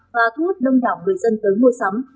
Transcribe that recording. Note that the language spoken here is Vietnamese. và thu hút đông đảo người dân tới mua sắm